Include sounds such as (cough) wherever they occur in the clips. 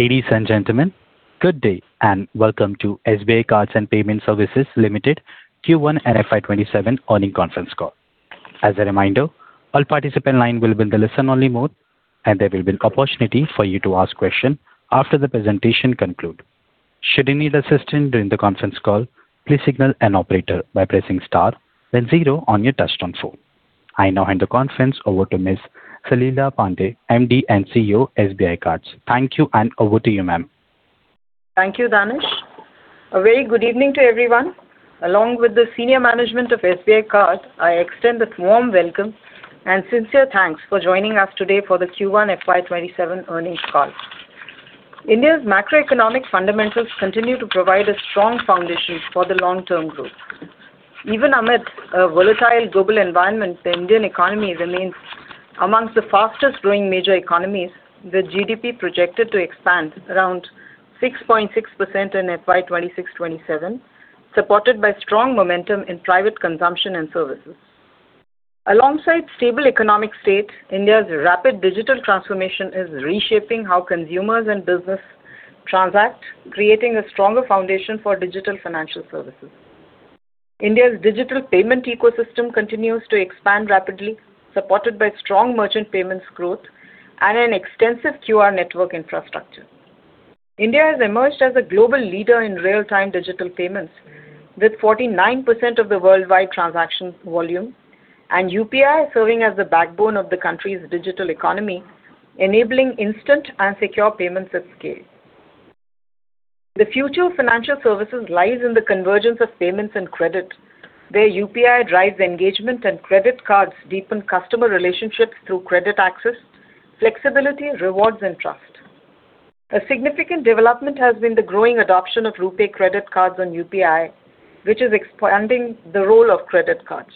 Ladies and gentlemen, good day, and welcome to SBI Cards and Payment Services Limited Q1 and FY 2027 earnings conference call. As a reminder, all participant line will be in the listen-only mode, and there will be opportunity for you to ask question after the presentation conclude. Should you need assistance during the conference call, please signal an operator by pressing star then zero on your touchtone phone. I now hand the conference over to Ms. Salila Pande, MD and CEO, SBI Card. Thank you, and over to you, ma'am. Thank you, Danish. A very good evening to everyone. Along with the senior management of SBI Card, I extend this warm welcome and sincere thanks for joining us today for the Q1 FY 2027 earnings call. India's macroeconomic fundamentals continue to provide a strong foundation for the long-term growth. Even amid a volatile global environment, the Indian economy remains amongst the fastest-growing major economies, with GDP projected to expand around 6.6% in FY 2026, 2027, supported by strong momentum in private consumption and services. Alongside stable economic state, India's rapid digital transformation is reshaping how consumers and business transact, creating a stronger foundation for digital financial services. India's digital payment ecosystem continues to expand rapidly, supported by strong merchant payments growth and an extensive QR network infrastructure. India has emerged as a global leader in real-time digital payments, with 49% of the worldwide transaction volume and UPI serving as the backbone of the country's digital economy, enabling instant and secure payments at scale. The future of financial services lies in the convergence of payments and credit, where UPI drives engagement and credit cards deepen customer relationships through credit access, flexibility, rewards, and trust. A significant development has been the growing adoption of RuPay credit cards on UPI, which is expanding the role of credit cards.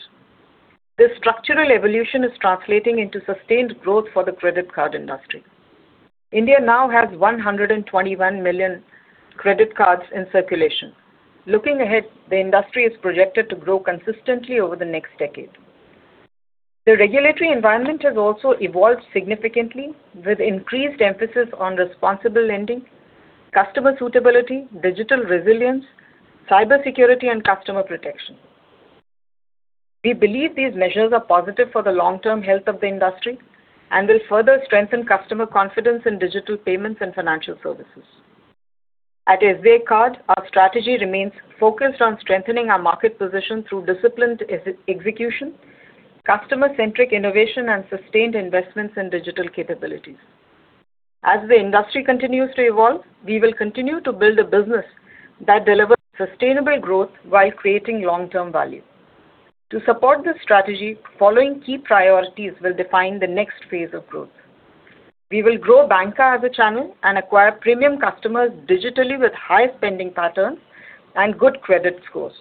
This structural evolution is translating into sustained growth for the credit card industry. India now has 121 million credit cards in circulation. Looking ahead, the industry is projected to grow consistently over the next decade. The regulatory environment has also evolved significantly with increased emphasis on responsible lending, customer suitability, digital resilience, cybersecurity, and customer protection. We believe these measures are positive for the long-term health of the industry and will further strengthen customer confidence in digital payments and financial services. At SBI Card, our strategy remains focused on strengthening our market position through disciplined execution, customer-centric innovation, and sustained investments in digital capabilities. As the industry continues to evolve, we will continue to build a business that delivers sustainable growth while creating long-term value. To support this strategy, following key priorities will define the next phase of growth. We will grow banca as a channel and acquire premium customers digitally with high spending patterns and good credit scores.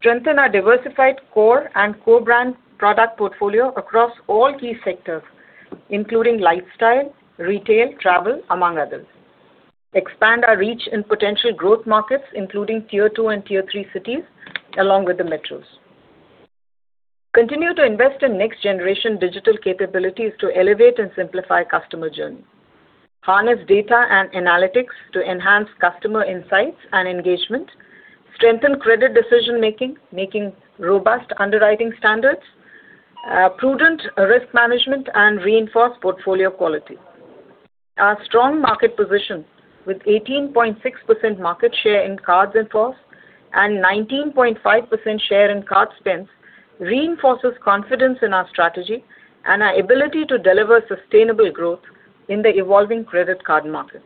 Strengthen our diversified core and co-brand product portfolio across all key sectors, including lifestyle, retail, travel, among others. Expand our reach in potential growth markets, including tier 2 and tier 3 cities, along with the metros. Continue to invest in next-generation digital capabilities to elevate and simplify customer journey. Harness data and analytics to enhance customer insights and engagement. Strengthen credit decision-making, making robust underwriting standards, prudent risk management, and reinforce portfolio quality. Our strong market position with 18.6% market share in cards in force and 19.5% share in card spends reinforces confidence in our strategy and our ability to deliver sustainable growth in the evolving credit card market.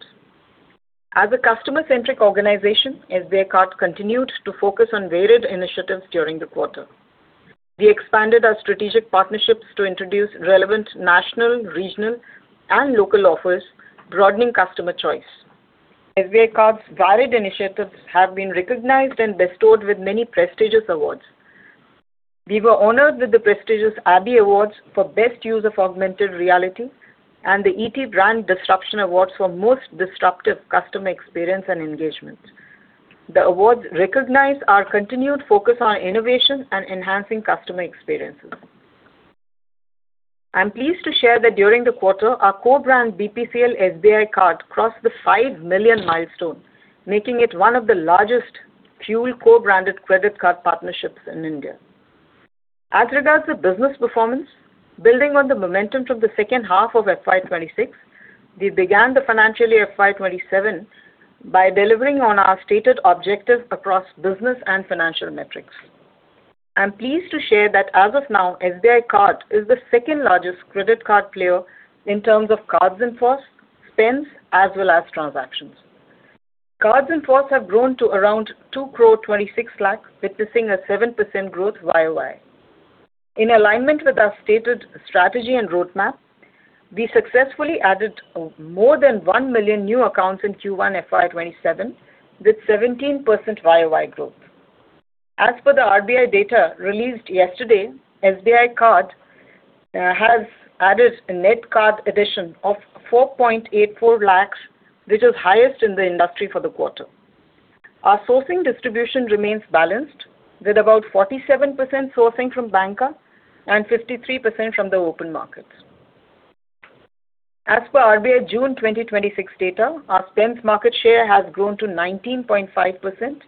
As a customer-centric organization, SBI Card continued to focus on varied initiatives during the quarter. We expanded our strategic partnerships to introduce relevant national, regional, and local offers, broadening customer choice. SBI Card's varied initiatives have been recognized and bestowed with many prestigious awards. We were honored with the prestigious ABBY Awards for Best Use of Augmented Reality and the ET Brand Disruption Awards for Most Disruptive Customer Experience and Engagement. The awards recognize our continued focus on innovation and enhancing customer experiences. I'm pleased to share that during the quarter, our co-brand BPCL SBI Card crossed the 5 million milestone, making it one of the largest fuel co-branded credit card partnerships in India. As regards the business performance, building on the momentum from the second half of FY 2026, we began the financial year FY 2027 by delivering on our stated objective across business and financial metrics. I'm pleased to share that as of now, SBI Card is the second-largest credit card player in terms of cards in force, spends, as well as transactions. Cards in force have grown to around 2.26 crore, witnessing a 7% growth YoY. In alignment with our stated strategy and roadmap, we successfully added more than 1 million new accounts in Q1 FY 2027, with 17% YoY growth. As per the RBI data released yesterday, SBI Card has added a net card addition of 4.84 lakh, which is highest in the industry for the quarter. Our sourcing distribution remains balanced, with about 47% sourcing from banca and 53% from the open market. As per RBI June 2026 data, our spends market share has grown to 19.5%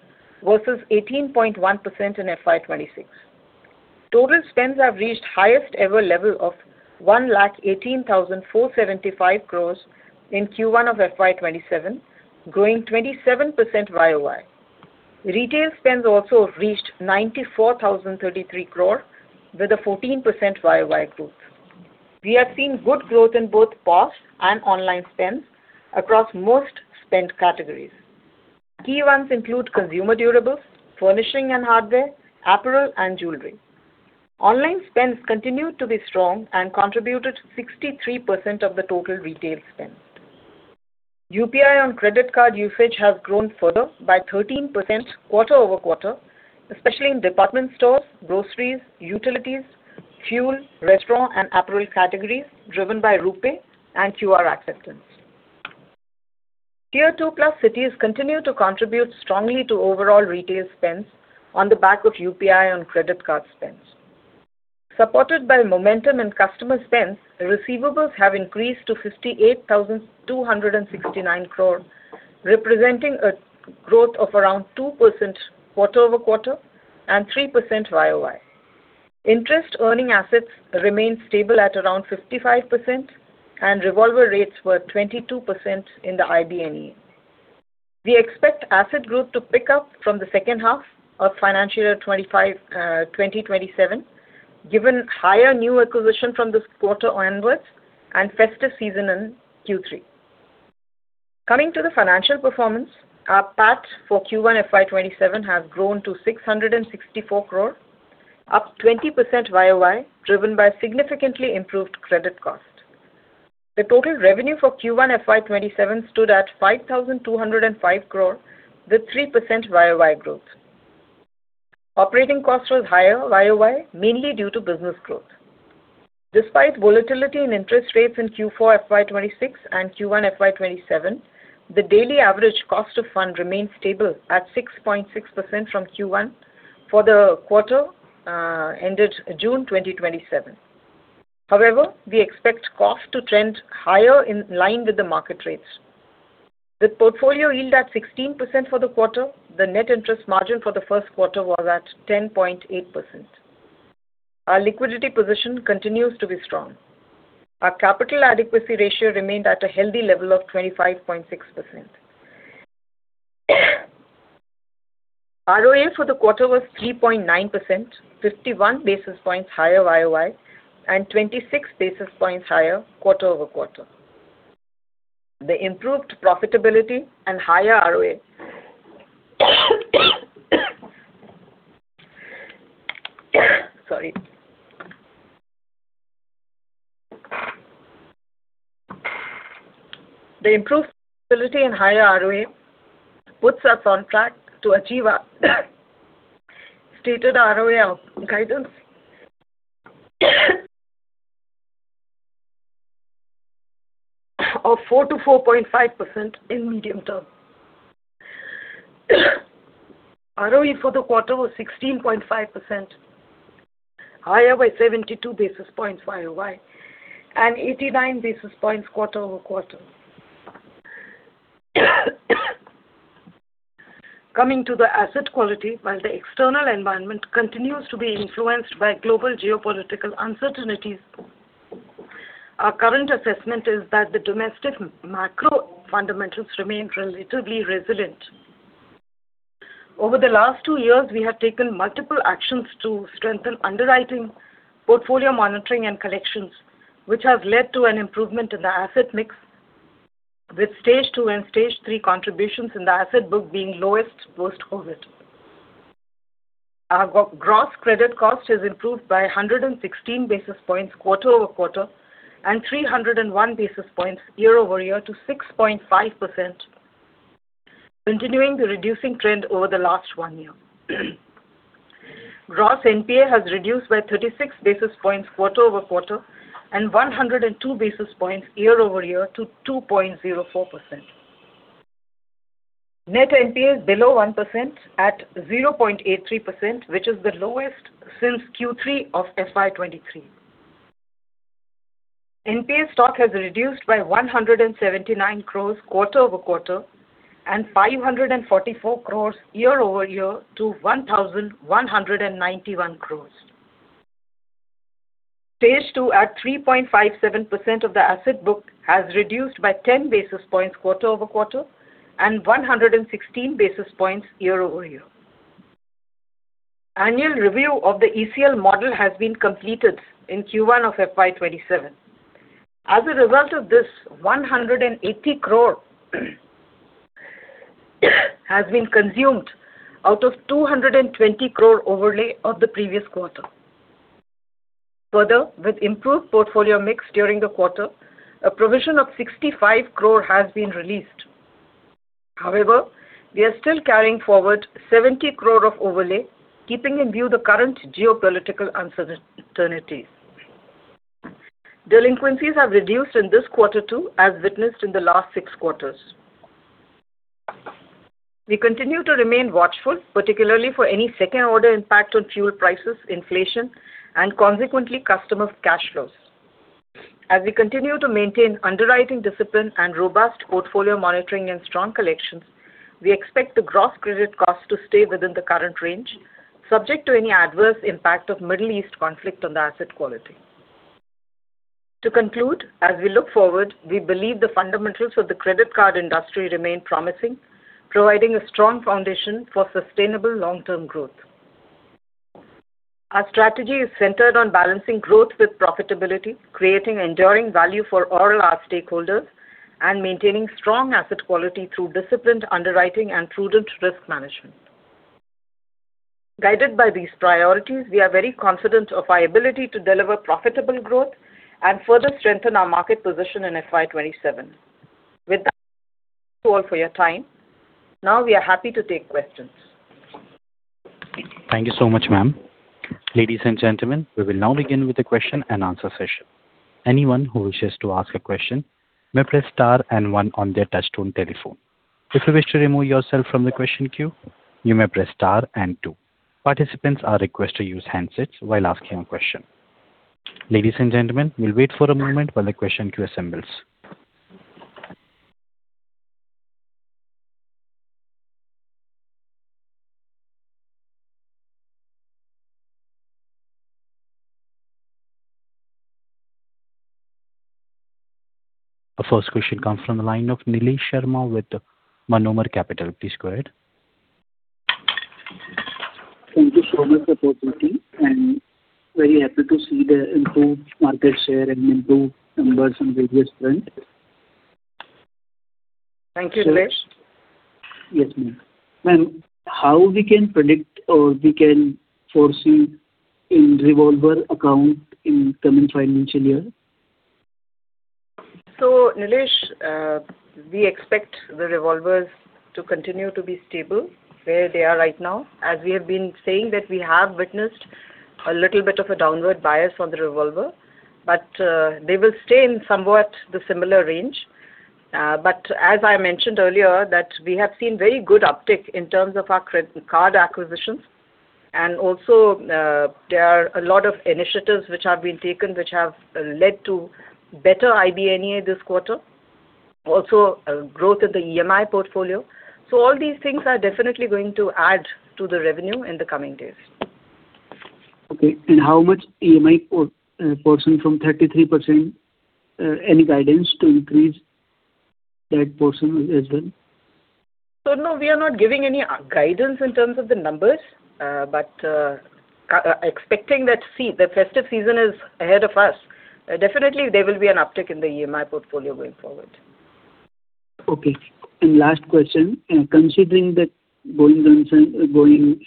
versus 18.1% in FY 2026. Total spends have reached highest ever level of 118,475 crore in Q1 of FY 2027, growing 27% YoY. Retail spends also reached 94,033 crore with a 14% YoY growth. We have seen good growth in both POS and online spends across most spend categories. Key ones include consumer durables, furnishing and hardware, apparel, and jewelry. Online spends continued to be strong and contributed 63% of the total retail spend. UPI on credit card usage has grown further by 13% quarter-over-quarter, especially in department stores, groceries, utilities, fuel, restaurant, and apparel categories driven by RuPay and QR acceptance. Tier 2+ cities continue to contribute strongly to overall retail spends on the back of UPI and credit card spends. Supported by momentum in customer spends, receivables have increased to 58,269 crore, representing a growth of around 2% quarter-over-quarter and 3% YoY. Interest-earning assets remain stable at around 55%, and revolver rates were 22% in the [IB&E]. We expect asset growth to pick up from the second half of financial year 2027, given higher new acquisition from this quarter onwards and festive season in Q3. Coming to the financial performance, our PAT for Q1 FY 2027 has grown to 664 crore, up 20% YoY, driven by significantly improved credit cost. The total revenue for Q1 FY 2027 stood at 5,205 crore, with 3% YoY growth. Operating costs were higher YoY, mainly due to business growth. Despite volatility in interest rates in Q4 FY 2026 and Q1 FY 2027, the daily average Cost of Funds remained stable at 6.6% from Q1 for the quarter ended June 2027. However, we expect cost to trend higher in line with the market rates. With portfolio yield at 16% for the quarter, the net interest margin for the first quarter was at 10.8%. Our liquidity position continues to be strong. Our capital adequacy ratio remained at a healthy level of 25.6%. ROA for the quarter was 3.9%, 51 basis points higher YoY, and 26 basis points higher quarter-over-quarter. The improved stability and higher ROA puts us on track to achieve our stated ROA guidance of 4%-4.5% in medium term. ROE for the quarter was 16.5%, higher by 72 basis points YoY, and 89 basis points quarter-over-quarter. Coming to the asset quality, while the external environment continues to be influenced by global geopolitical uncertainties, our current assessment is that the domestic macro fundamentals remain relatively resilient. Over the last two years, we have taken multiple actions to strengthen underwriting, portfolio monitoring, and collections, which have led to an improvement in the asset mix, with stage 2 and stage 3 contributions in the asset book being lowest post-COVID. Our gross credit cost has improved by 116 basis points quarter-over-quarter and 301 basis points year-over-year to 6.5%, continuing the reducing trend over the last one year. Gross NPA has reduced by 36 basis points quarter-over-quarter and 102 basis points year-over-year to 2.04%. Net NPA is below 1% at 0.83%, which is the lowest since Q3 of FY 2023. NPA stock has reduced by 179 crore quarter-over-quarter and 544 crore year-over-year to 1,191 crore. Stage 2 at 3.57% of the asset book has reduced by 10 basis points quarter-over-quarter and 116 basis points year-over-year. Annual review of the ECL model has been completed in Q1 of FY 2027. As a result of this, 180 crore has been consumed out of 220 crore overlay of the previous quarter. Further, with improved portfolio mix during the quarter, a provision of 65 crore has been released. However, we are still carrying forward 70 crore of overlay, keeping in view the current geopolitical uncertainties. Delinquencies have reduced in this quarter too, as witnessed in the last six quarters. We continue to remain watchful, particularly for any second-order impact on fuel prices, inflation, and consequently customer cash flows. As we continue to maintain underwriting discipline and robust portfolio monitoring and strong collections, we expect the gross credit cost to stay within the current range, subject to any adverse impact of Middle East conflict on the asset quality. To conclude, as we look forward, we believe the fundamentals of the credit card industry remain promising, providing a strong foundation for sustainable long-term growth. Our strategy is centered on balancing growth with profitability, creating enduring value for all our stakeholders, and maintaining strong asset quality through disciplined underwriting and prudent risk management. Guided by these priorities, we are very confident of our ability to deliver profitable growth and further strengthen our market position in FY 2027. With that, thank you all for your time. We are happy to take questions. Thank you so much, ma'am. Ladies and gentlemen, we will now begin with the question-and-answer session. Anyone who wishes to ask a question may press star one on their touchtone telephone. If you wish to remove yourself from the question queue, you may press star two. Participants are requested to use handsets while asking a question. Ladies and gentlemen, we'll wait for a moment while the question queue assembles. Our first question comes from the line of [Nilesh Sharma] with Monomer Capital. Please go ahead. Thank you so much for the opportunity, very happy to see the improved market share and improved numbers in various front. Thank you, [Nilesh]. Yes, Ma'am. Ma'am, how we can predict or we can foresee in revolver account in coming financial year? [Nilesh], we expect the revolvers to continue to be stable where they are right now. As we have been saying that we have witnessed a little bit of a downward bias on the revolver, they will stay in somewhat the similar range. As I mentioned earlier that we have seen very good uptick in terms of our card acquisitions, and also there are a lot of initiatives which have been taken which have led to better [IB&E] this quarter. Also a growth in the EMI portfolio. All these things are definitely going to add to the revenue in the coming days. Okay, how much EMI portion from 33%? Any guidance to increase that portion as well? No, we are not giving any guidance in terms of the numbers. Expecting that the festive season is ahead of us, definitely there will be an uptick in the EMI portfolio going forward. Okay. Last question, considering the going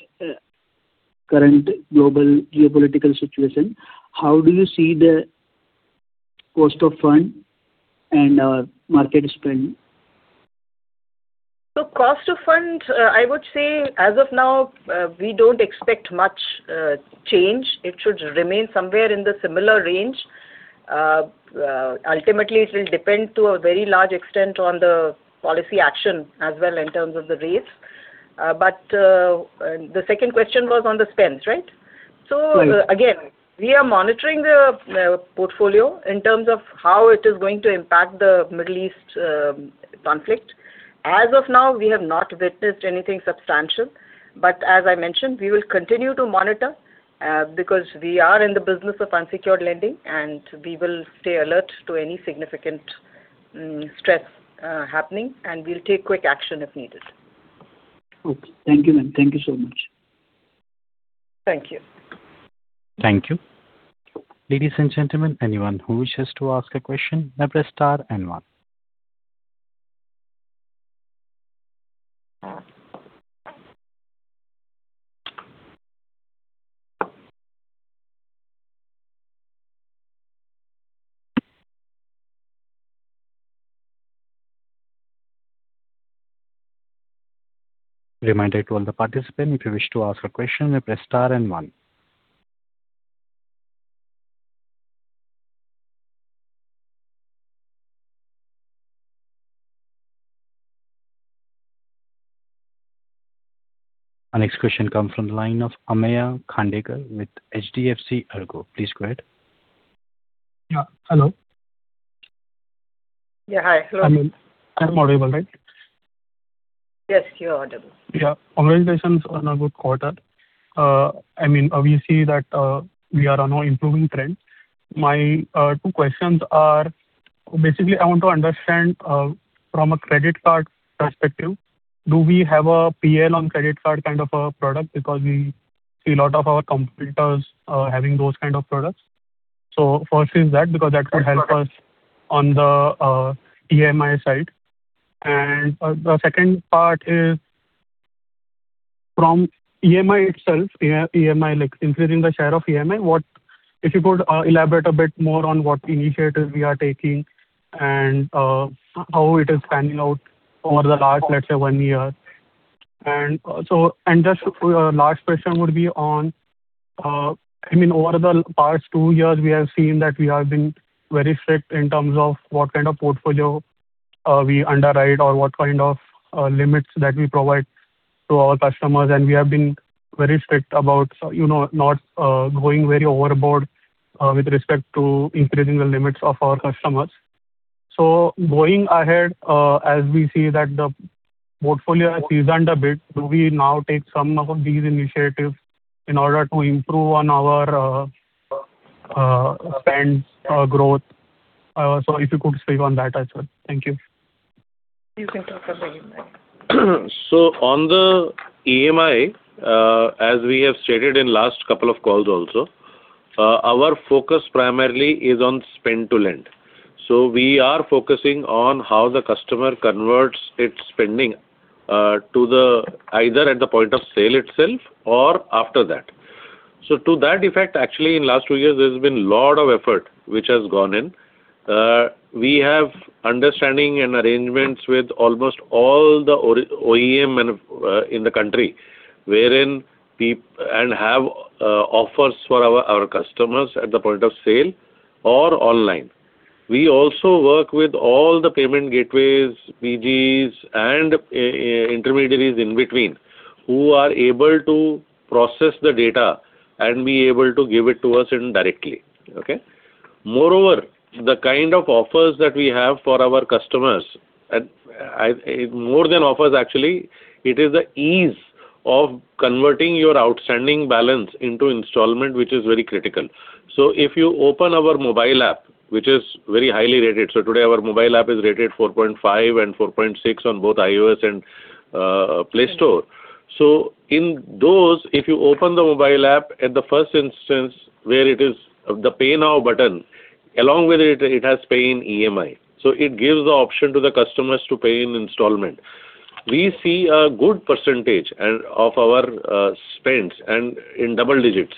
current global geopolitical situation, how do you see the cost of fund and our market spend? Cost of fund, I would say as of now, we don't expect much change. It should remain somewhere in the similar range. Ultimately, it will depend to a very large extent on the policy action as well in terms of the rates. The second question was on the spends, right? Right. Again, we are monitoring the portfolio in terms of how it is going to impact the Middle East conflict. As of now, we have not witnessed anything substantial. As I mentioned, we will continue to monitor because we are in the business of unsecured lending, and we will stay alert to any significant stress happening, and we'll take quick action if needed. Okay. Thank you, ma'am. Thank you so much. Thank you. Thank you. Ladies and gentlemen, anyone who wishes to ask a question, press star and one. Reminder to all the participants, if you wish to ask a question, press star and one. Our next question comes from the line of Ameya Khandekar with HDFC ERGO. Please go ahead. Yeah. Hello. Yeah. Hi. Hello. I'm audible, right? Yes, you're audible. Yeah. Congratulations on a good quarter. Obviously that we are on an improving trend. My two questions are, basically, I want to understand from a credit card perspective, do we have a PL on credit card kind of a product because we see a lot of our competitors having those kind of products. First is that because that could help us on the EMI side. The second part is from EMI itself, like increasing the share of EMI, if you could elaborate a bit more on what initiatives we are taking and how it is panning out over the last, let's say, one year. Just a last question would be on, over the past two years, we have seen that we have been very strict in terms of what kind of portfolio we underwrite or what kind of limits that we provide to our customers, and we have been very strict about not going very overboard with respect to increasing the limits of our customers. Going ahead, as we see that the portfolio has seasoned a bit, do we now take some of these initiatives in order to improve on our spend growth? If you could speak on that as well. Thank you. Please take it from the EMI. On the EMI, as we have stated in last couple of calls also, our focus primarily is on spend to lend. We are focusing on how the customer converts its spending to either at the point of sale itself or after that. To that effect, actually, in last two years, there has been lot of effort which has gone in. We have understanding and arrangements with almost all the OEM in the country and have offers for our customers at the point of sale or online. We also work with all the payment gateways, PGs and intermediaries in between who are able to process the data and be able to give it to us indirectly. Okay. Moreover, the kind of offers that we have for our customers, more than offers actually, it is the ease of converting your outstanding balance into installment which is very critical. If you open our mobile app, which is very highly rated. Today our mobile app is rated 4.5 and 4.6 on both iOS and Play Store. In those, if you open the mobile app at the first instance where it is the Pay Now button, along with it has Pay in EMI. It gives the option to the customers to pay in installment. We see a good percentage of our spends and in double digits,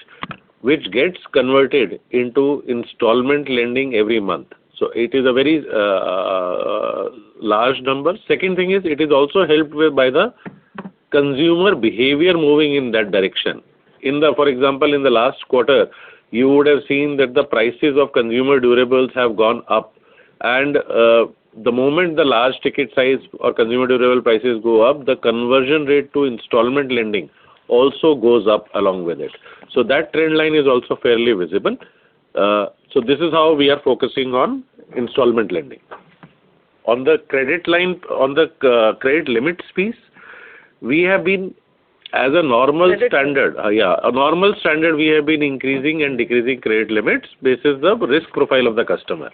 which gets converted into installment lending every month. It is a very large number. Second thing is it is also helped by the consumer behavior moving in that direction. For example, in the last quarter, you would have seen that the prices of consumer durables have gone up the moment the large ticket size or consumer durable prices go up, the conversion rate to installment lending also goes up along with it. That trend line is also fairly visible. This is how we are focusing on installment lending. On the credit limits piece, as a normal standard- Credit- Yeah. A normal standard, we have been increasing and decreasing credit limits basis the risk profile of the customer.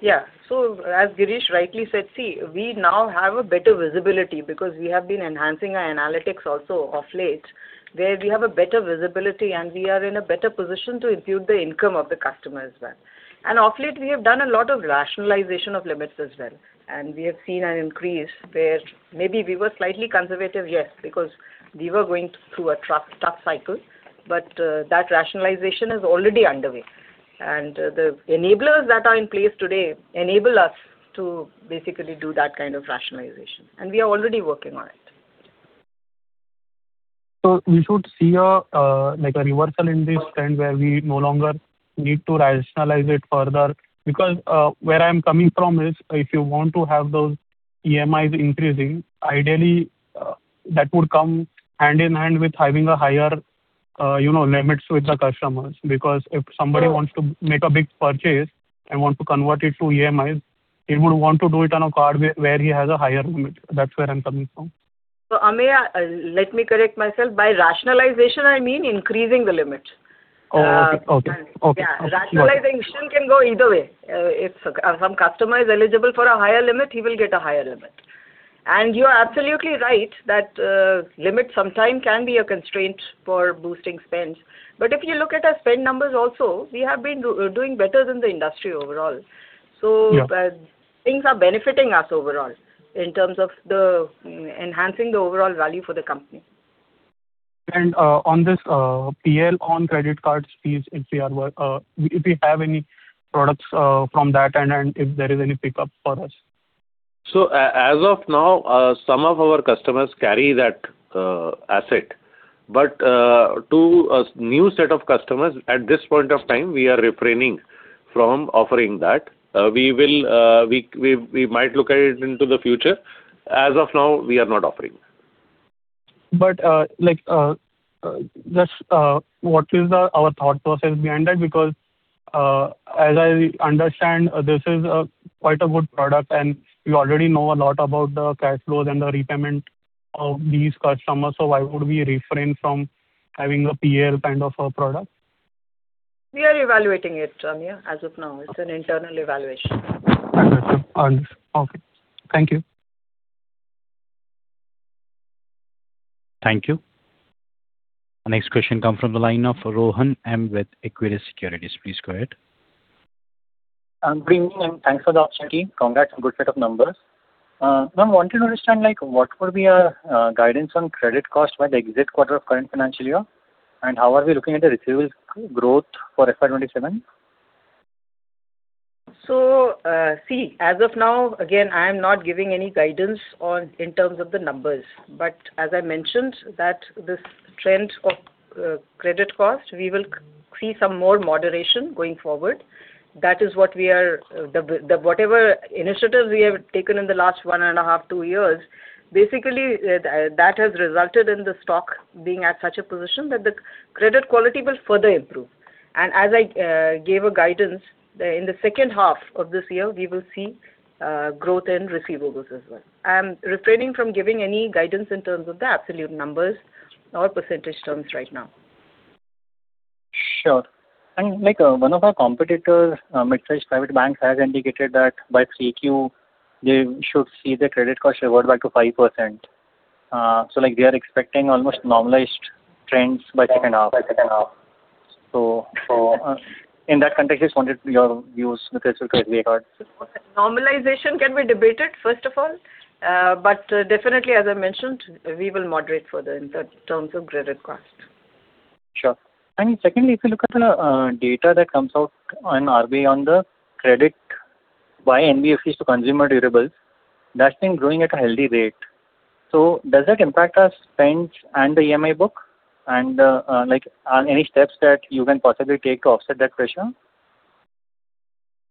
Yeah. As Girish rightly said, see, we now have a better visibility because we have been enhancing our analytics also of late, where we have a better visibility and we are in a better position to impute the income of the customer as well. Of late, we have done a lot of rationalization of limits as well, and we have seen an increase where maybe we were slightly conservative, yes, because we were going through a tough cycle. That rationalization is already underway. The enablers that are in place today enable us to basically do that kind of rationalization, and we are already working on it. We should see a reversal in this trend where we no longer need to rationalize it further? Because where I'm coming from is if you want to have those EMIs increasing, ideally, that would come hand-in-hand with having higher limits with the customers. Because if somebody wants to make a big purchase and wants to convert it to EMIs, he would want to do it on a card where he has a higher limit. That's where I'm coming from. Ameya, let me correct myself. By rationalization, I mean increasing the limit. Oh, okay. Yeah. Rationalization can go either way. If some customer is eligible for a higher limit, he will get a higher limit. You are absolutely right that limit sometimes can be a constraint for boosting spends. If you look at our spend numbers also, we have been doing better than the industry overall. Yeah. Things are benefiting us overall in terms of enhancing the overall value for the company. On this PL on credit card fees, if we have any products from that and if there is any pickup for us. As of now, some of our customers carry that asset. To a new set of customers, at this point of time, we are refraining from offering that. We might look at it into the future. As of now, we are not offering. What is our thought process behind that? Because as I understand, this is quite a good product and we already know a lot about the cash flows and the repayment of these customers. Why would we refrain from having a PL kind of a product? We are evaluating it, Ameya, as of now. It's an internal evaluation. Understood. Okay. Thank you. Thank you. Our next question comes from the line of Rohan M. with Equirus Securities. Please go ahead. Good evening, and thanks for the opportunity. Congrats, good set of numbers. Ma'am, wanted to understand what would be your guidance on credit cost by the exit quarter of current financial year, and how are we looking at the receivables growth for FY 2027? See, as of now, again, I am not giving any guidance in terms of the numbers. As I mentioned that this trend of credit cost, we will see some more moderation going forward. Whatever initiatives we have taken in the last one and a half, two years, basically, that has resulted in the stock being at such a position that the credit quality will further improve. As I gave a guidance, in the second half of this year, we will see growth in receivables as well. I'm refraining from giving any guidance in terms of the absolute numbers or percentage terms right now. Sure. One of our competitors, midsize private bank, has indicated that by 3Q, they should see their credit cost revert back to 5%. They are expecting almost normalized trends by second half. In that context, just wanted your views with respect to credit card. Normalization can be debated, first of all. Definitely, as I mentioned, we will moderate further in terms of credit cost. Sure. Secondly, if you look at the data that comes out on RBI on the credit by NBFCs to consumer durables, that's been growing at a healthy rate. Does that impact our spends and the EMI book, and are any steps that you can possibly take to offset that pressure?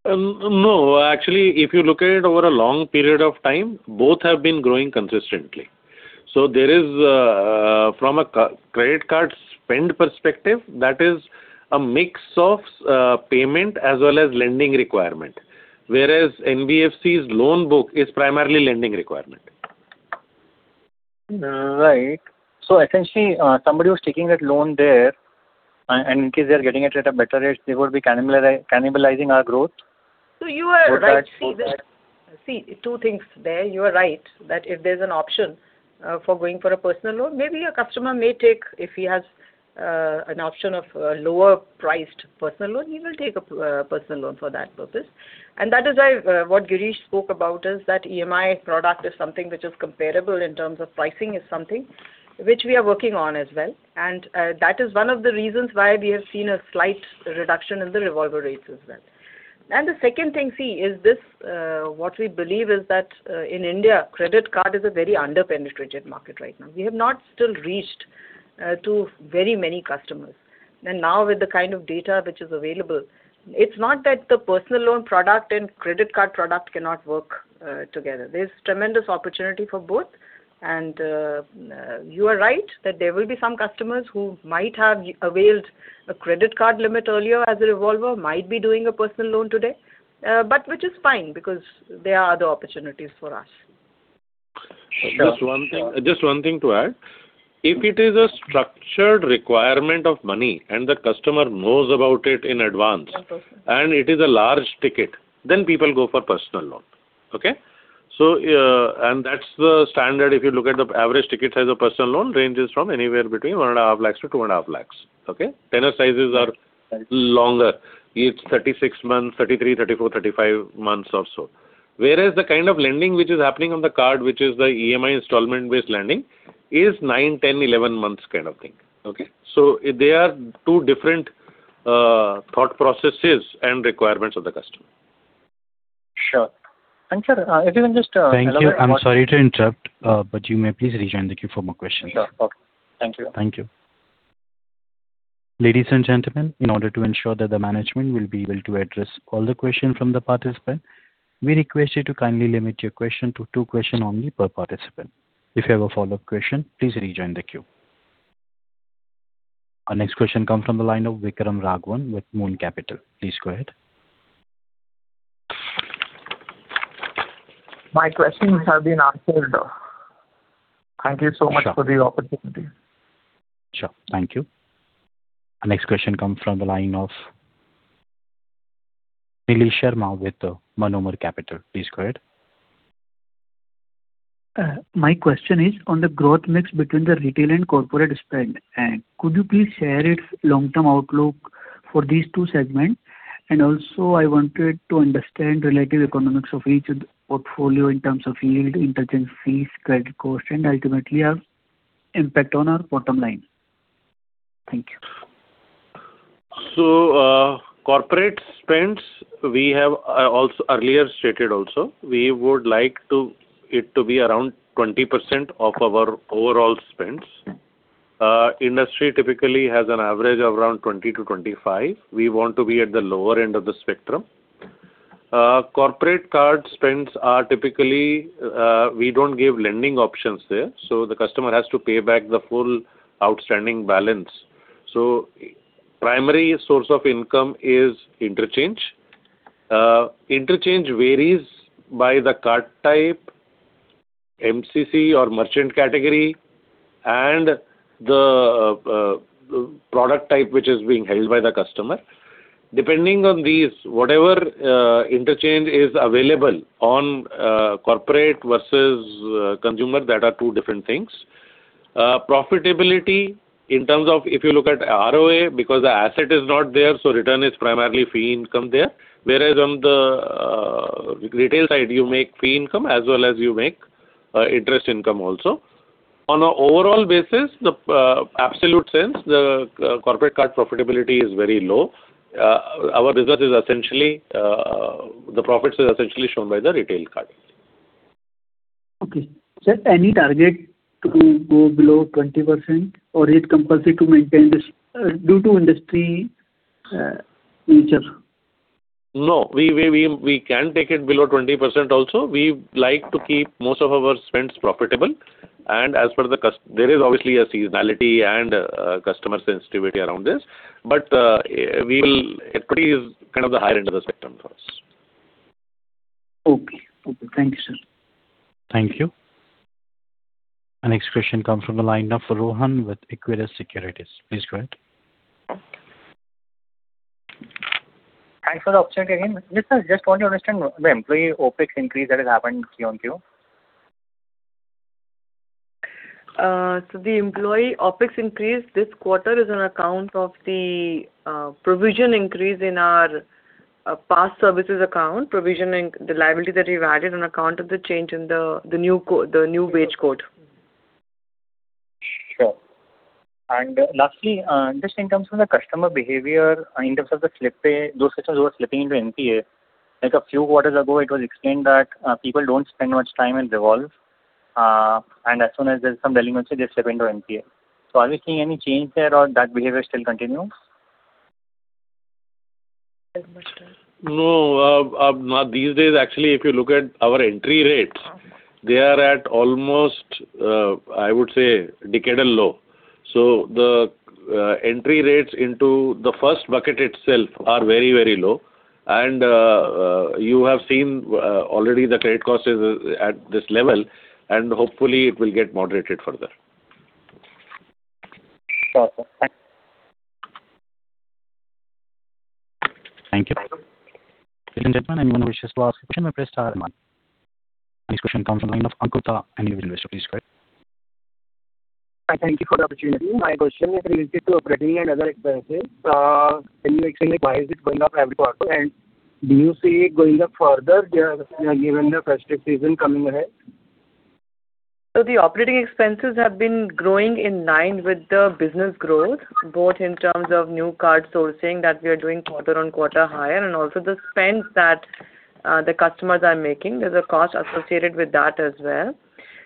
No. Actually, if you look at it over a long period of time, both have been growing consistently. From a credit card spend perspective, that is a mix of payment as well as lending requirement. Whereas NBFC's loan book is primarily lending requirement. Right. Essentially, somebody who's taking that loan there, and in case they're getting it at a better rate, they would be cannibalizing our growth? You are right. Two things there. You are right that if there's an option for going for a personal loan, maybe a customer may take, if he has an option of a lower-priced personal loan, he will take a personal loan for that purpose. That is what Girish spoke about is that EMI product is something which is comparable in terms of pricing, is something which we are working on as well. That is one of the reasons why we have seen a slight reduction in the revolver rates as well. The second thing is this, what we believe is that in India, credit card is a very under-penetrated market right now. We have not still reached to very many customers. Now with the kind of data which is available, it's not that the personal loan product and credit card product cannot work together. There's tremendous opportunity for both. You are right that there will be some customers who might have availed a credit card limit earlier as a revolver, might be doing a personal loan today, but which is fine because they are the opportunities for us. Sure. Just one thing to add. If it is a structured requirement of money and the customer knows about it in advance. Of course It is a large ticket, then people go for personal loan. Okay. That's the standard. If you look at the average ticket size of personal loan ranges from anywhere between 1.5 lakhs to 2.5 lakhs. Okay. Tenor sizes are longer. It's 36 months, 33, 34, 35 months or so. Whereas the kind of lending which is happening on the card, which is the EMI installment-based lending, is nine, 10, 11 months kind of thing. Okay. They are two different thought processes and requirements of the customer. Sure. Thank you, sir. If you can just- Thank you. I'm sorry to interrupt, you may please rejoin the queue for more questions. Yeah. Okay. Thank you. Thank you. Ladies and gentlemen, in order to ensure that the management will be able to address all the question from the participant, we request you to kindly limit your question to two question only per participant. If you have a follow-up question, please rejoin the queue. Our next question comes from the line of [Vikram Raghavan] with Moon Capital. Please go ahead. My questions have been answered. Thank you so much for the opportunity. Sure. Thank you. Our next question comes from the line of [Nilesh Sharma] with Monomer Capital. Please go ahead. My question is on the growth mix between the retail and corporate spend. Could you please share its long-term outlook for these two segments? Also, I wanted to understand relative economics of each portfolio in terms of yield, interchange fees, credit cost, and ultimately impact on our bottom line. Thank you. Corporate spends, we have earlier stated also. We would like it to be around 20% of our overall spends. Okay. Industry typically has an average of around 20%-25%. We want to be at the lower end of the spectrum. Corporate card spends are typically, we don't give lending options there, so the customer has to pay back the full outstanding balance. Primary source of income is interchange. Interchange varies by the card type, MCC or merchant category, and the product type which is being held by the customer. Depending on these, whatever interchange is available on corporate versus consumer, that are two different things. Profitability in terms of if you look at ROA, because the asset is not there, so return is primarily fee income there. Whereas on the retail side, you make fee income as well as you make interest income also. On an overall basis, the absolute sense, the corporate card profitability is very low. The profits are essentially shown by the retail card. Okay. Sir, any target to go below 20% or is it compulsory to maintain this due to industry nature? No. We can take it below 20% also. We like to keep most of our spends profitable. There is obviously a seasonality and customer sensitivity around this, but equity is the higher end of the spectrum for us. Okay. Thank you, sir. Thank you. Our next question comes from the line of Rohan with Equirus Securities. Please go ahead. Thanks for the opportunity again. Yes, sir, just want to understand the employee OpEx increase that has happened Q-on-Q. The employee OpEx increase this quarter is on account of the provision increase in our past services account, the liability that we've added on account of the change in the new wage code. Sure. Lastly, just in terms of the customer behavior, in terms of the slippage, those customers who are slipping into NPA. Like a few quarters ago, it was explained that people don't spend much time in revolve, and as soon as there's some delinquency, they slip into NPA. Are we seeing any change there or that behavior still continues? (inaudible) No. These days, actually, if you look at our entry rates, they are at almost, I would say, decadal low. The entry rates into the first bucket itself are very low. You have seen already the credit cost is at this level, and hopefully, it will get moderated further. Sure. Thank you. Thank you. Ladies and gentlemen, anyone who wishes to ask a question may press star and one. Next question comes from the line of [Ankit Tha], an individual investor. Please go ahead. Thank you for the opportunity. My question is related to operating and other expenses. Can you explain why is it going up every quarter, and do you see it going up further, given the festive season coming ahead? The operating expenses have been growing in line with the business growth, both in terms of new card sourcing that we are doing quarter-on-quarter higher and also the spends that the customers are making. There is a cost associated with that as well.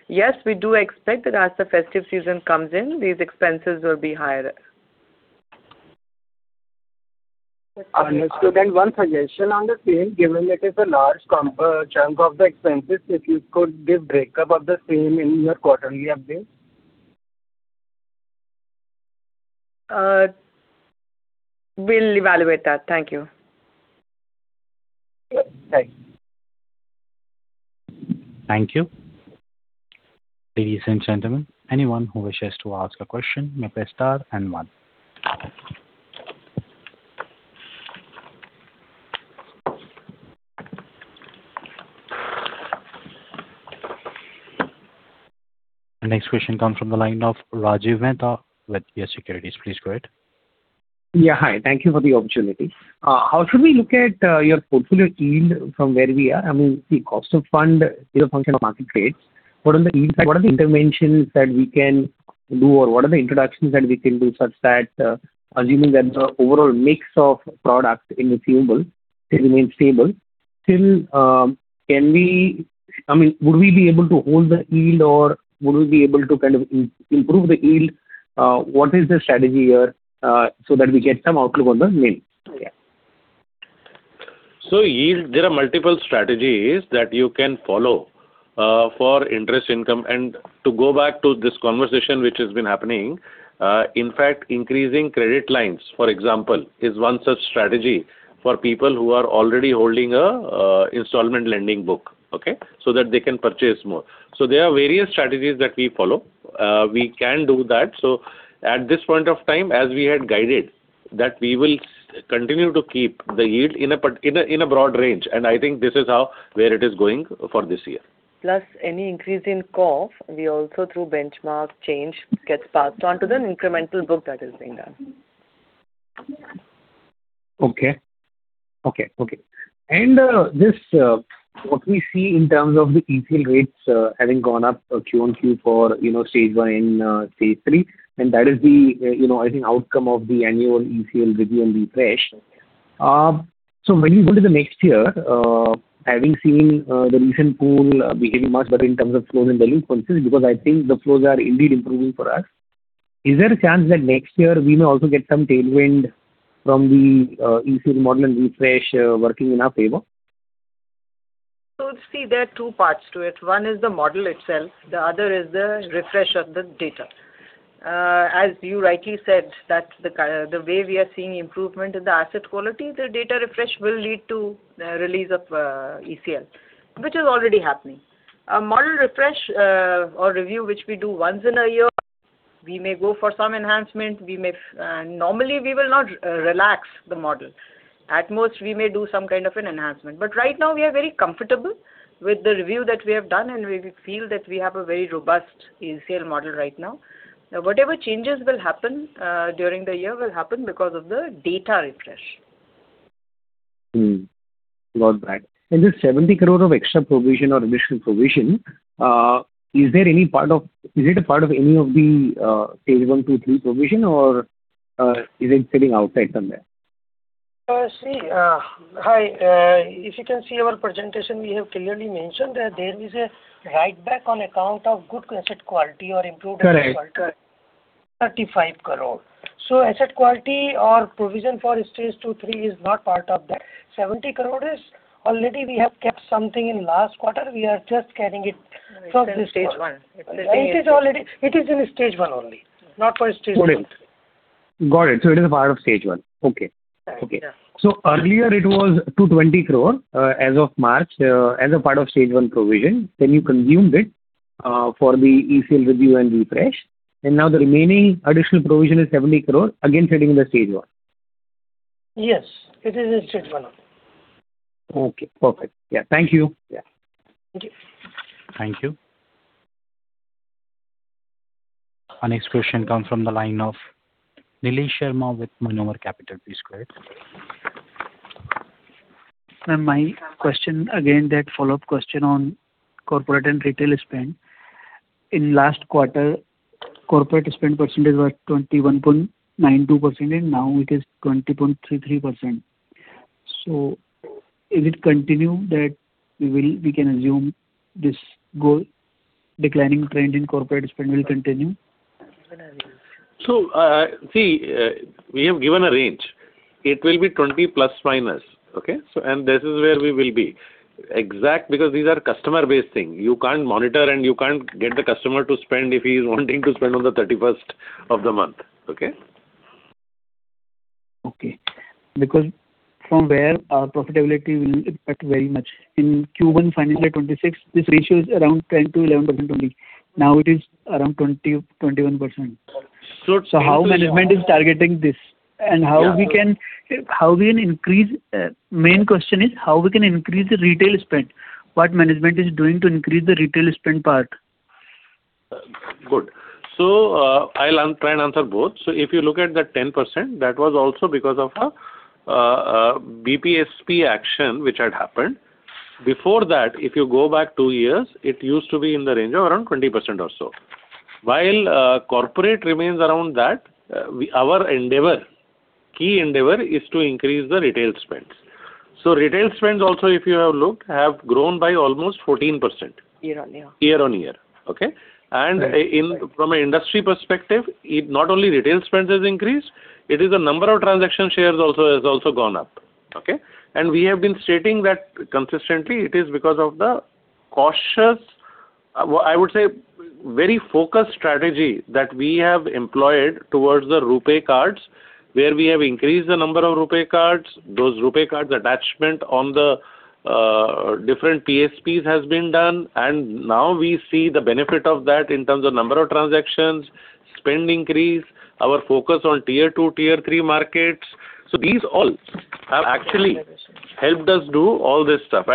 Yes, we do expect that as the festive season comes in, these expenses will be higher. Understood. One suggestion on the same, given it is a large chunk of the expenses, if you could give breakup of the same in your quarterly updates. We will evaluate that. Thank you. Sure. Thanks. Thank you. Ladies and gentlemen, anyone who wishes to ask a question may press star and one. The next question comes from the line of Rajiv Mehta with YES Securities. Please go ahead. Yeah, hi. Thank you for the opportunity. How should we look at your portfolio yield from where we are? I mean, the Cost of Funds is a function of market rates. What are the interventions that we can do, or what are the introductions that we can do such that assuming that the overall mix of products in the pool will remain stable. Would we be able to hold the yield or would we be able to kind of improve the yield? What is the strategy here so that we get some outlook on the yield? Yeah. Yield, there are multiple strategies that you can follow for interest income. To go back to this conversation which has been happening, in fact, increasing credit lines, for example, is one such strategy for people who are already holding an installment lending book. Okay? That they can purchase more. There are various strategies that we follow. We can do that. At this point of time, as we had guided, that we will continue to keep the yield in a broad range, and I think this is where it is going for this year. Plus any increase in COF, we also through benchmark change gets passed on to the incremental book that is being done. What we see in terms of the ECL rates having gone up Q1, Q4, stage 1, stage 3, that is the, I think, outcome of the annual ECL review and refresh. When you go to the next year, having seen the recent pool behaving much better in terms of flows and delinquencies, because I think the flows are indeed improving for us. Is there a chance that next year we may also get some tailwind from the ECL model and refresh working in our favor? See, there are two parts to it. One is the model itself, the other is the refresh of the data. As you rightly said that the way we are seeing improvement in the asset quality, the data refresh will lead to release of ECL, which is already happening. A model refresh or review, which we do once in a year, we may go for some enhancement. Normally, we will not relax the model. At most, we may do some kind of an enhancement. Right now we are very comfortable with the review that we have done, and we feel that we have a very robust ECL model right now. Whatever changes will happen during the year will happen because of the data refresh. Got that. This 70 crore of extra provision or additional provision, is it a part of any of the stage 1, 2, 3 provision or is it sitting outside somewhere? See, hi. If you can see our presentation, we have clearly mentioned that there is a write-back on account of good asset quality or improved asset quality. Correct. 35 crore. Asset quality or provision for stage 2, 3 is not part of that. 70 crore is already we have kept something in last quarter. We are just carrying it from this quarter. It is stage 1. It is in stage 1 only, not for stage 2. Got it. It is a part of stage 1. Okay. Correct. Yeah. Earlier it was 220 crores as of March as a part of stage 1 provision. Then you consumed it for the ECL review and refresh, and now the remaining additional provision is 70 crores, again sitting in the stage 1. Yes, it is in stage 1 only. Okay, perfect. Yeah. Thank you. Yeah. Thank you. Thank you. Our next question comes from the line of [Nilesh Sharma] with Monomer Capital. Please go ahead. Ma'am, my question, again, that follow-up question on corporate and retail spend. In last quarter, corporate spend percentage was 21.92%, and now it is 20.33%. Is it continue that we can assume this goal, declining trend in corporate spend will continue? See, we have given a range. It will be 20±. Okay? This is where we will be. Exact, because these are customer-based things. You cannot monitor and you cannot get the customer to spend if he is wanting to spend on the 31st of the month. Okay? Because from where our profitability will impact very much. In Q1 financial 2026, this ratio is around 10% to 11%, 20%. Now it is around 20%-21%. How management is targeting this and how we can increase. Main question is how we can increase the retail spend. What management is doing to increase the retail spend part. Good. I will try and answer both. If you look at that 10%, that was also because of a BPSP action which had happened. Before that, if you go back two years, it used to be in the range of around 20% or so. While corporate remains around that, our endeavor, key endeavor is to increase the retail spends. Retail spends also, if you have looked, have grown by almost 14%. Year-on-year. Year-on-year. Okay. Right. From an industry perspective, not only retail spends has increased, it is the number of transaction shares has also gone up. Okay. We have been stating that consistently, it is because of the cautious, I would say very focused strategy that we have employed towards the RuPay cards, where we have increased the number of RuPay cards, those RuPay cards attachment on the different PSPs has been done, and now we see the benefit of that in terms of number of transactions spend increase, our focus on tier 2, tier 3 markets. These all have actually helped us do all this stuff.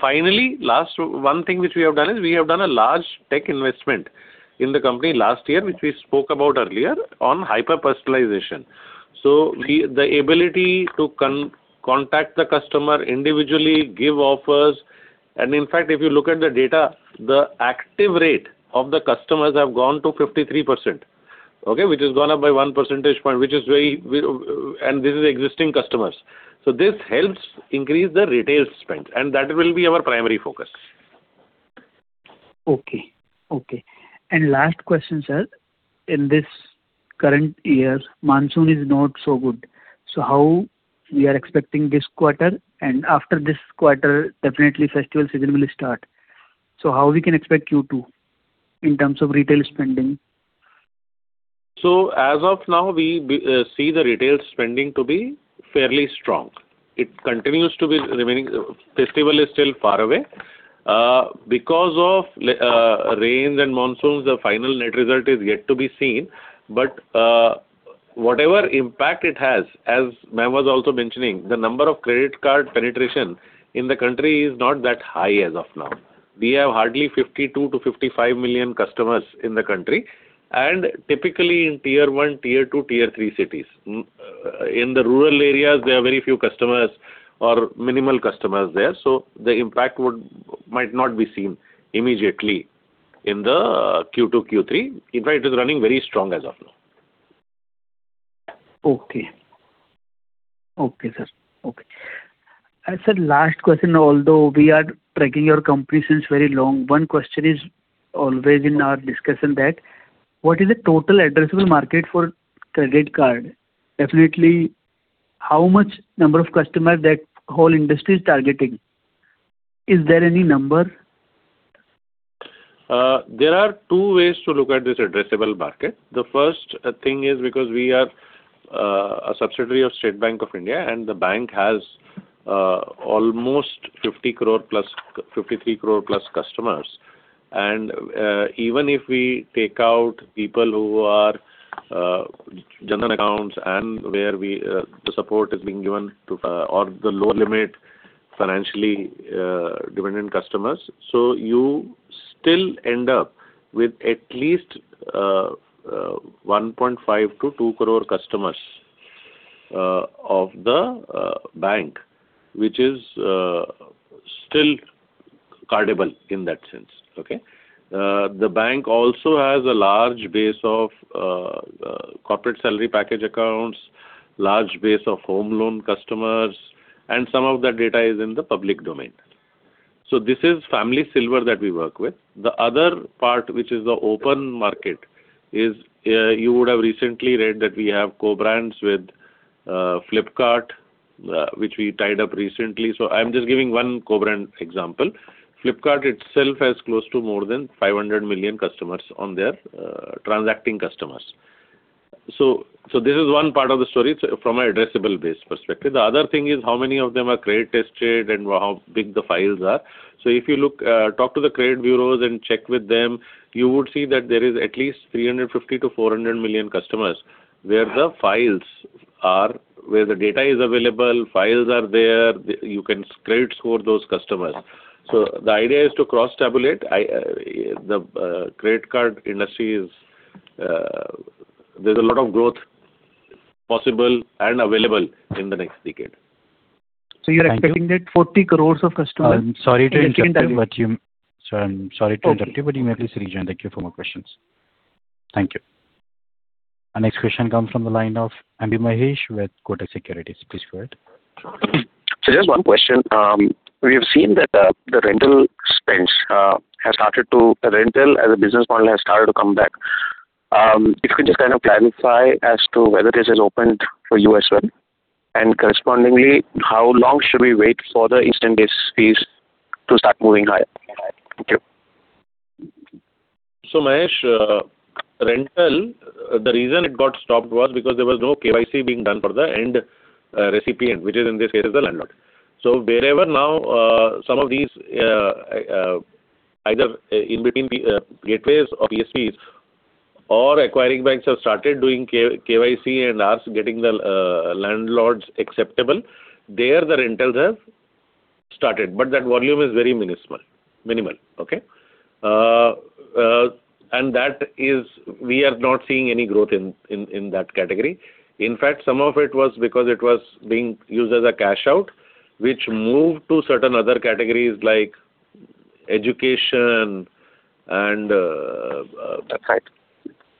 Finally, last one thing which we have done is we have done a large tech investment in the company last year, which we spoke about earlier on hyper-personalization. The ability to contact the customer individually, give offers, and in fact, if you look at the data, the active rate of the customers have gone to 53%. Okay. Which has gone up by one percentage point, and this is existing customers. This helps increase the retail spend, and that will be our primary focus. Okay. Last question, sir. In this current year, monsoon is not so good. How we are expecting this quarter, and after this quarter, definitely festival season will start. How we can expect Q2 in terms of retail spending? As of now, we see the retail spending to be fairly strong. It continues to be remaining. Festival is still far away. Because of rains and monsoons, the final net result is yet to be seen, but whatever impact it has, as ma'am was also mentioning, the number of credit card penetration in the country is not that high as of now. We have hardly 52 million to 55 million customers in the country, and typically in tier 1, tier 2, tier 3 cities. In the rural areas, there are very few customers or minimal customers there, the impact might not be seen immediately in the Q2, Q3. In fact, it is running very strong as of now. Okay. Okay, sir. Sir, last question, although we are tracking your company since very long, one question is always in our discussion that, what is the total addressable market for credit card? Definitely, how much number of customers that whole industry is targeting? Is there any number? There are two ways to look at this addressable market. The first thing is because we are a subsidiary of State Bank of India, the bank has almost 53 crore plus customers. Even if we take out people who are general accounts and where the support is being given to, or the lower limit financially dependent customers. You still end up with at least 1.5 crore to 2 crore customers of the bank, which is still cardable in that sense. Okay? The bank also has a large base of corporate salary package accounts, large base of home loan customers, and some of that data is in the public domain. This is family silver that we work with. The other part, which is the open market, is you would have recently read that we have co-brands with Flipkart, which we tied up recently. I'm just giving one co-brand example. Flipkart itself has close to more than 500 million customers on there, transacting customers. This is one part of the story from an addressable base perspective. The other thing is how many of them are credit tested and how big the files are. If you talk to the credit bureaus and check with them, you would see that there is at least 350 million to 400 million customers where the files are, where the data is available, files are there, you can credit score those customers. The idea is to cross-tabulate. The credit card industry, there's a lot of growth possible and available in the next decade. You're expecting that 40 crore of customers- I'm sorry to interrupt you may please rejoin. Thank you for more questions. Thank you. Our next question comes from the line of M.B. Mahesh with Kotak Securities. Please go ahead. Just one question. We have seen that the rental spends, rental as a business model has started to come back. If you could just kind of clarify as to whether this has opened for you as well, and correspondingly, how long should we wait for the instant base fees to start moving higher? Thank you. Mahesh, rental, the reason it got stopped was because there was no KYC being done for the end recipient, which is in this case is the landlord. Wherever now, some of these, either in between the gateways or PSPs or acquiring banks have started doing KYC and getting the landlords acceptable. There, the rentals have started, but that volume is very minimal. Okay? We are not seeing any growth in that category. In fact, some of it was because it was being used as a cash out, which moved to certain other categories like education and- That's right.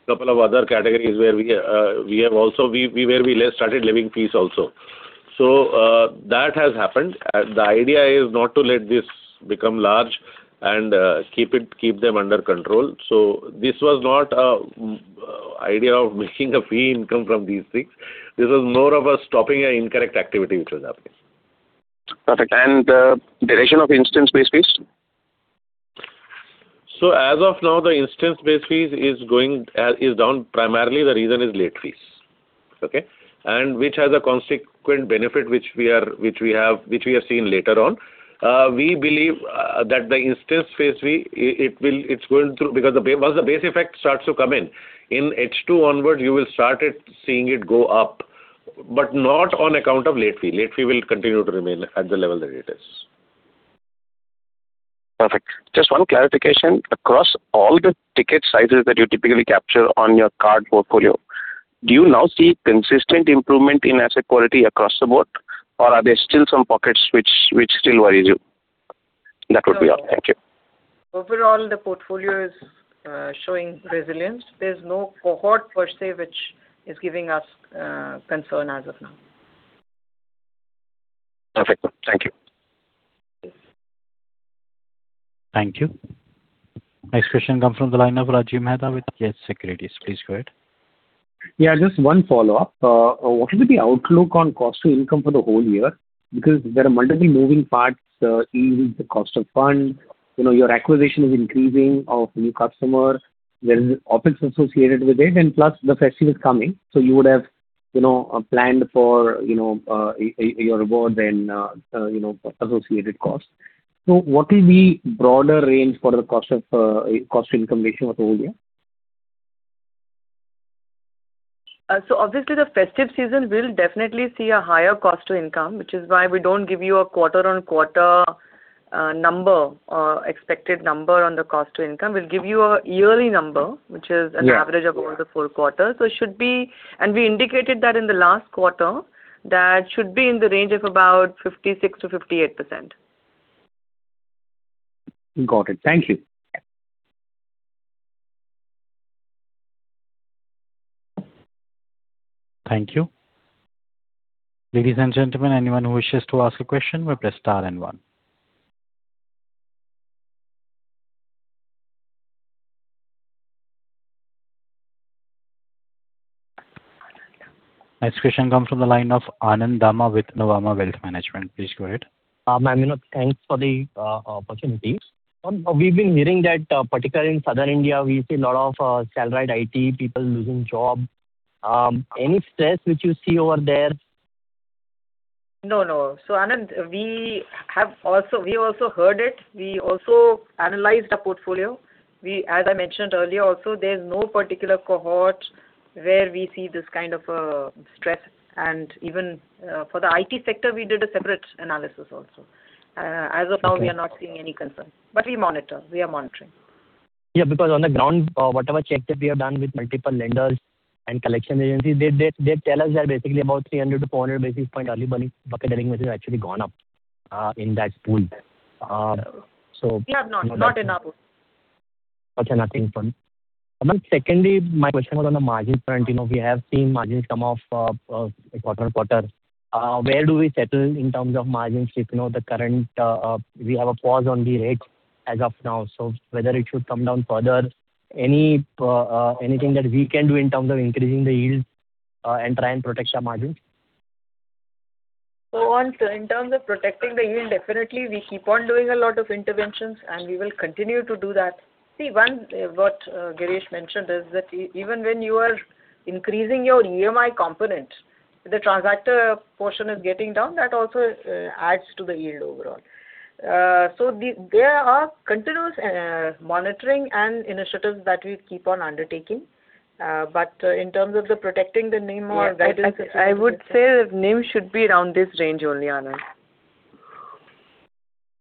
Couple of other categories where we started waiving fees also. That has happened. The idea is not to let this become large and keep them under control. This was not an idea of making a fee income from these things. This was more of us stopping an incorrect activity which was happening. Perfect. Direction of instance-based fees? As of now, the instance-based fees is down. Primarily, the reason is late fees Okay. Which has a consequent benefit which we have seen later on. We believe that the instance fees, because once the base effect starts to come in H2 onwards, you will start seeing it go up, but not on account of late fee. Late fee will continue to remain at the level that it is. Perfect. Just one clarification. Across all the ticket sizes that you typically capture on your card portfolio, do you now see consistent improvement in asset quality across the board, or are there still some pockets which still worry you? That would be all. Thank you. Overall, the portfolio is showing resilience. There's no cohort per se which is giving us concern as of now. Perfect. Thank you. Thank you. Next question comes from the line of Rajiv Mehta with YES Securities. Please go ahead. Just one follow-up. What will be the outlook on cost to income for the whole year? Because there are multiple moving parts, even the cost of funds, your acquisition is increasing of new customer, there is OpEx associated with it, and plus the festive is coming, you would have planned for your rewards and associated costs. What will be broader range for the cost to income ratio for the whole year? Obviously, the festive season will definitely see a higher cost to income, which is why we don't give you a quarter-on-quarter number or expected number on the cost to income. We'll give you a yearly number, which is. Yeah. average of all the four quarters. We indicated that in the last quarter, that should be in the range of about 56%-58%. Got it. Thank you. Thank you. Ladies and gentlemen, anyone who wishes to ask a question may press star and one. Next question comes from the line of [Anand Dhama] with Nuvama Wealth Management. Please go ahead. Ma'am, (inaudible) thanks for the opportunity. Ma'am, we've been hearing that particularly in Southern India, we see a lot of salaried IT people losing jobs. Any stress which you see over there? No, no. [Anand], we also heard it. We also analyzed the portfolio. As I mentioned earlier also, there's no particular cohort where we see this kind of a stress, and even for the IT sector, we did a separate analysis also. As of now. Okay. We are not seeing any concerns. We monitor. We are monitoring. Because on the ground, whatever checks that we have done with multiple lenders and collection agencies, they tell us that basically about 300-400 basis points early money bucket has actually gone up in that pool. We have not. Not in our book. Nothing for me. Then secondly, my question was on the margin front. We have seen margins come off quarter-on-quarter. Where do we settle in terms of margin if we have a pause on the rates as of now. Whether it should come down further, anything that we can do in terms of increasing the yield and try and protect our margins? [Anand], in terms of protecting the yield, definitely we keep on doing a lot of interventions, and we will continue to do that. See, what Girish mentioned is that even when you are increasing your EMI component, the transactor portion is getting down. That also adds to the yield overall. There are continuous monitoring and initiatives that we keep on undertaking. In terms of the protecting the NIM or guidance. I would say that NIM should be around this range only, [Anand].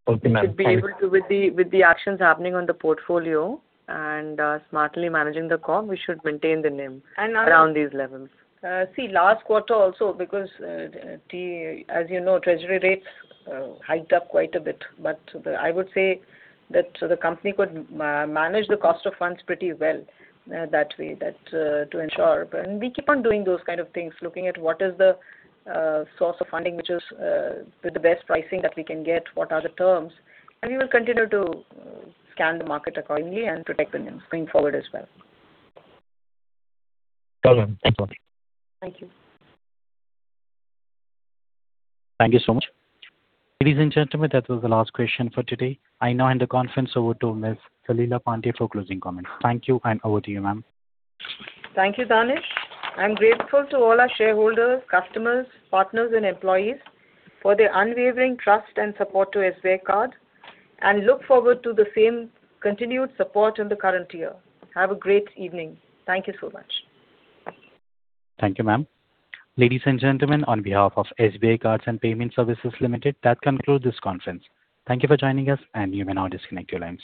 Okay, ma'am. Thanks. With the actions happening on the portfolio and smartly managing the comp, we should maintain the NIM around these levels. See, last quarter also because, as you know, Treasury rates hiked up quite a bit. I would say that the company could manage the Cost of Funds pretty well that way to ensure. We keep on doing those kind of things, looking at what is the source of funding which is with the best pricing that we can get, what are the terms, and we will continue to scan the market accordingly and protect the NIM going forward as well. Got it, ma'am. Thanks a lot. Thank you. Thank you so much. Ladies and gentlemen, that was the last question for today. I now hand the conference over to Ms. Salila Pande for closing comments. Thank you, and over to you, ma'am. Thank you, Danish. I'm grateful to all our shareholders, customers, partners, and employees for their unwavering trust and support to SBI Card. Look forward to the same continued support in the current year. Have a great evening. Thank you so much. Thank you, ma'am. Ladies and gentlemen, on behalf of SBI Cards and Payment Services Limited, that concludes this conference. Thank you for joining us. You may now disconnect your lines.